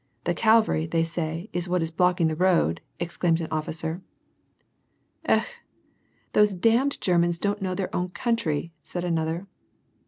The cavalry, they say, is what is blocking the road," exclaimed an officer. " Ekh ! these damned Germans don't know their own coun try," said another.